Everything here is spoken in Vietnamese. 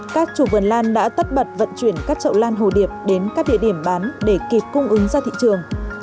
các chủ vườn lan đã tất bật vận chuyển các chậu lan hồ điệp đến các địa điểm bán để kịp cung ứng ra thị trường